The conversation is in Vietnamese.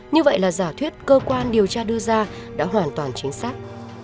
như vậy là giả thuyết cơ quan điều tra đưa ra đã hoàn toàn chính xác